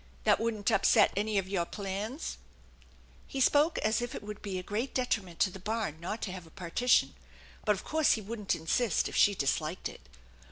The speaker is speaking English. That wouldn't upset any of your plans ?" He spoke as if it would be a great detriment to the barn not to have a partition, but of course he wouldn't insist if she disliked it.